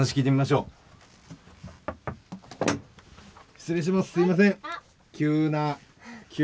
失礼します。